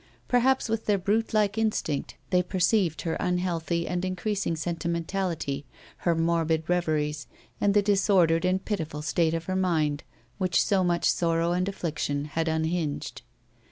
Perhaps, with their brute like instinct, they perceived her unhealthy and increasing sentimentality, her morbid reveries, and the disordered and pitiful state of her mind which so much sorrow and affiction had unhinged.